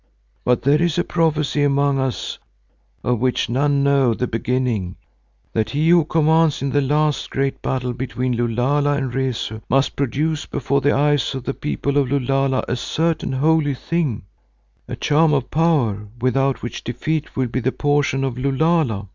But there is a prophecy among us of which none know the beginning, that he who commands in the last great battle between Lulala and Rezu must produce before the eyes of the People of Lulala a certain holy thing, a charm of power, without which defeat will be the portion of Lulala.